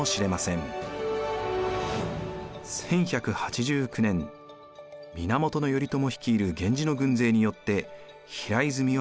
１１８９年源頼朝率いる源氏の軍勢によって平泉は陥落。